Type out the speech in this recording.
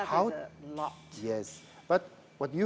itu sangat banyak